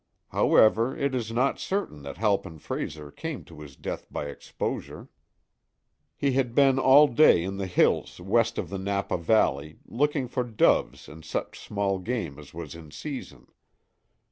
However, it is not certain that Halpin Frayser came to his death by exposure. He had been all day in the hills west of the Napa Valley, looking for doves and such small game as was in season.